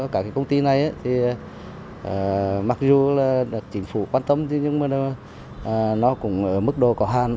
các công ty này mặc dù là được chính phủ quan tâm nhưng mà nó cũng ở mức độ có hạn